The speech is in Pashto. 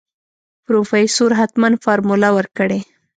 پروفيسر حتمن فارموله ورکړې.